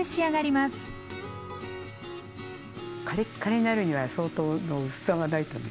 カリッカリになるには相当の薄さがないとね。